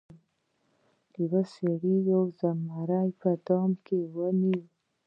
یو سړي یو زمری په دام کې ونیو.